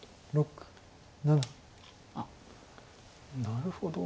なるほど。